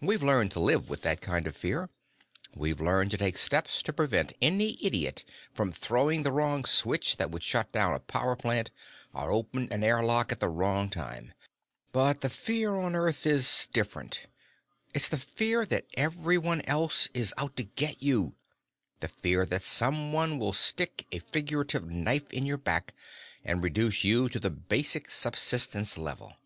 We've learned to live with that kind of fear; we've learned to take steps to prevent any idiot from throwing the wrong switch that would shut down a power plant or open an air lock at the wrong time. "But the fear on Earth is different. It's the fear that everyone else is out to get you, the fear that someone will stick a figurative knife in your back and reduce you to the basic subsistence level.